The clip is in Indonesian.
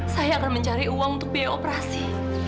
saya akan mencari uang untuk biaya operasi